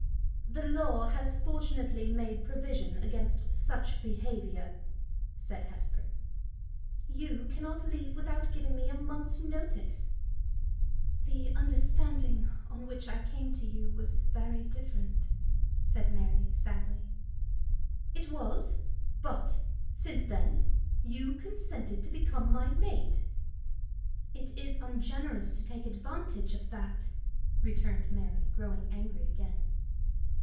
"The law has fortunately made provision against such behavior," said Hesper. "You can not leave without giving me a month's notice." "The understanding on which I came to you was very different," said Mary, sadly. "It was; but, since then, you consented to become my maid." "It is ungenerous to take advantage of that," returned Mary, growing angry again.